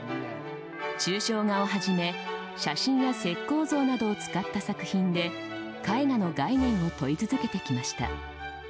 抽象画をはじめ写真の石膏像などを使った作品で絵画の概念を問い続けてきました。